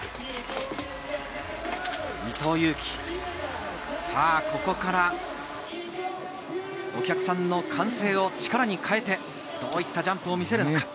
伊藤有希、さぁ、ここからお客さんの歓声を力に変えて、どういったジャンプを見せるのか？